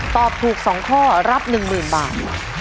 ตอบถูก๒ข้อรับ๑๐๐๐บาท